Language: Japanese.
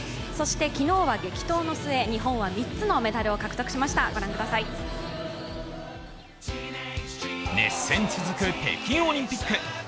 昨日は激闘の末、日本は３つのメダルを獲得しました熱戦続く北京オリンピック。